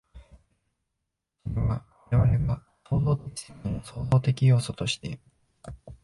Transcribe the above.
それは我々が創造的世界の創造的要素として、